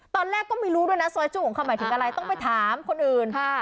ตอนแรกก็ไม่รู้ด้วยนะซอยจูของเขาหมายถึงอะไรต้องไปถามคนอื่น